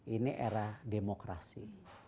ini era demokrasi